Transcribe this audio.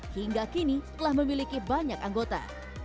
hingga kini telah memiliki banyak anggota